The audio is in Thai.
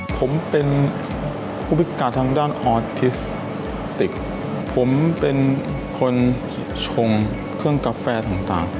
ผมเป็นผู้พิการทางด้านออทิสติกผมเป็นคนชงเครื่องกาแฟต่าง